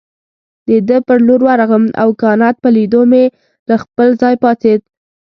د ده پر لور ورغلم او کانت په لیدو مې له خپل ځای پاڅېد.